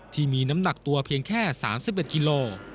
ที่มีน้ำหนักตัวเพียงแค่๓๑กิโล